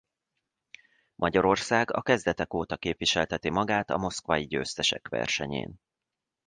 Magyarország a kezdetek óta képviselteti magát a moszkvai Győztesek versenyén.